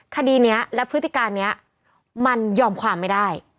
คดีนี้และพฤติการนี้มันยอมความไม่ได้